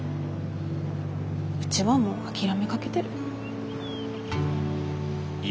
うちはもう諦めかけてる。